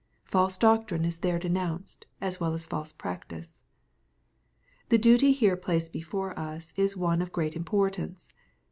False doctrine is there denounced as well as false practice. The duty here placed before us is one of great im* portance.